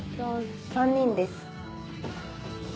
３人です。